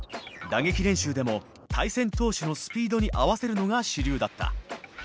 打撃練習でも対戦投手のスピードに合わせるのが主流だった。